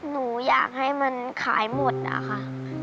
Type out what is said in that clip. หนูอยากให้มันขายหมดอะค่ะ